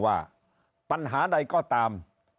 ว่าปัญหาใดก็ตาม